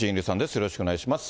よろしくお願いします。